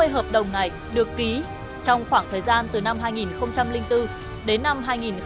hai mươi hợp đồng này được ký trong khoảng thời gian từ năm hai nghìn bốn đến năm hai nghìn một mươi